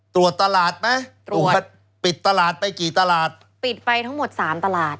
ตรวจตลาดไหมตรวจปิดตลาดไปกี่ตลาดปิดไปทั้งหมดสามตลาด